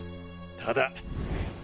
ただ！？